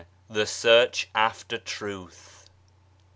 The Search after Truth.